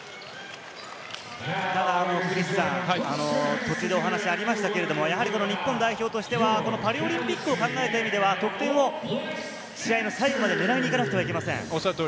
途中でお話ありましたが、日本代表としてはこのパリオリンピックを考えた意味では得点を試合の最後まで狙いに行かなくてはなりません。